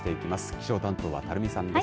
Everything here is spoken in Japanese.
気象担当は垂水さんです。